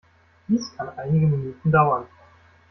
Dies kann einige Minuten dauern.